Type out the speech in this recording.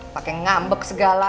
pakai ngambek segala